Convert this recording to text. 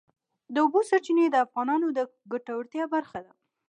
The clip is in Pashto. د اوبو سرچینې د افغانانو د ګټورتیا برخه ده.